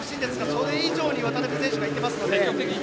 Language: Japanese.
それ以上に渡辺選手がいっていますので。